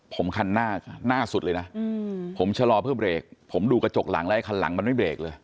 ผมคันหน้าหน้าสุดเลยนะผมชะลอเพื่อเบรกผมดูกระจกหลังแล้วไอ้คันหลังมันไม่เบรกเลย